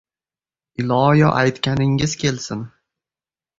— Iloyo aytganingiz kelsin!